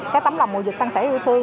cái tấm lòng mùa dịch săn sẻ yêu thương